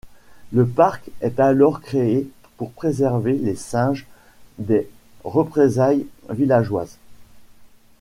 Le parc est alors créé pour préserver les singes des représailles villageoises.